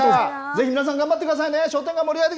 ぜひ皆さん、頑張ってくださいね。